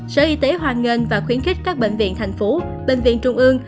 sở y tế hoàn nghênh và khuyến khích các bệnh viện thành phố bệnh viện trung ương